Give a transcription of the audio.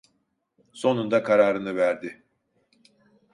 Sonunda kararını verdi.